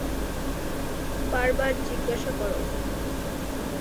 বারবার জিজ্ঞাসা কর।